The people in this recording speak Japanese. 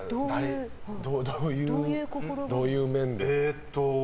どういう面で？